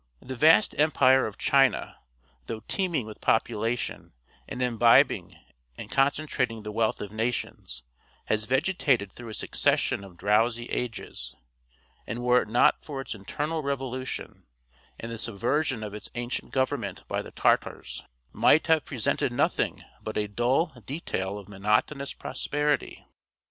The vast Empire of China, though teeming with population and imbibing and concentrating the wealth of nations, has vegetated through a succession of drowsy ages; and were it not for its internal revolution, and the subversion of its ancient government by the Tartars, might have presented nothing but a dull detail of monotonous prosperity.